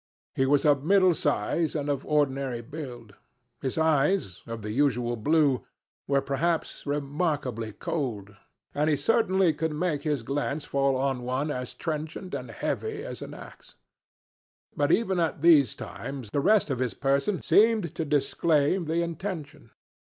He was of middle size and of ordinary build. His eyes, of the usual blue, were perhaps remarkably cold, and he certainly could make his glance fall on one as trenchant and heavy as an ax. But even at these times the rest of his person seemed to disclaim the intention.